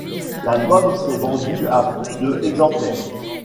L'album s'est vendu à plus de exemplaires.